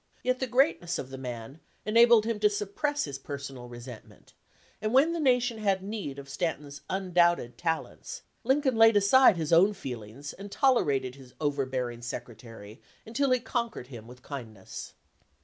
Yet the greatness of the man enabled him to sup press his personal resentment, and when the nation had need of Stanton's undoubted talents, Lincoln laid aside his own feelings and tolerated his overbearing Secretary until he conquered him with kindness.